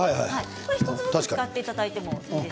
１つずつ使っていただいて。